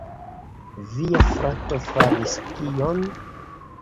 "Via frato faris kion?"